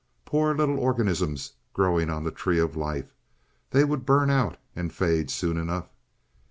Poor little organisms growing on the tree of life—they would burn out and fade soon enough.